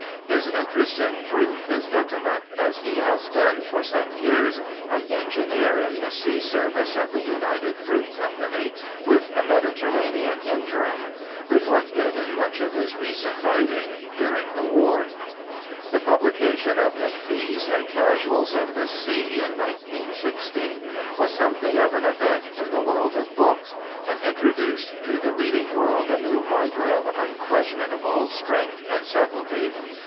His interest in fruit is intimate, as he has been for some years an engineer in the sea service of the United Fruit Company, with a Mediterranean interim reflected in much of his recent writing during the War. The publication of McFee's Casuals of the Sea in 1916 was something of an event in the world of books, and introduced to the reading world a new writer of unquestionable strength and subtlety.